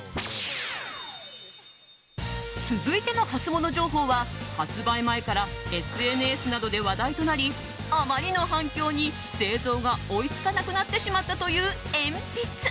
続いてのハツモノ情報は発売前からＳＮＳなどで話題となりあまりの反響に製造が追いつかなくなってしまったという鉛筆。